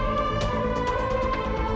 aku mau mencari uang buat bayar tebusan